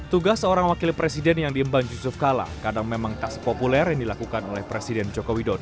tugas seorang wakil presiden yang diemban yusuf kala kadang memang tak sepopuler yang dilakukan oleh presiden joko widodo